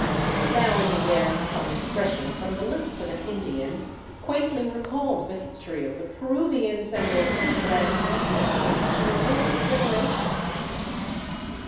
Now and again some expression from the lips of an Indian quaintly recalls the history of the Peruvians and their two branch ancestry to remote generations.